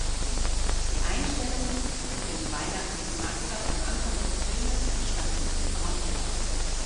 Die Einstellungen mit dem weihnachtlichen Marktplatz am Anfang des Filmes entstanden in Braunschweig.